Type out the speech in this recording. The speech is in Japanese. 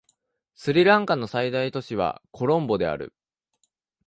スリランカの最大都市はコロンボである